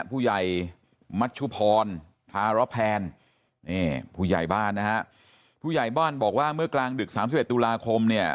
ผู้ใหญ่มัชชุพรธารแพนนี่ผู้ใหญ่บ้านนะฮะผู้ใหญ่บ้านบอกว่าเมื่อกลางดึก๓๑ตุลาคมเนี่ย